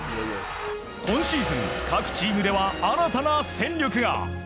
今シーズン各チームでは新たな戦力が。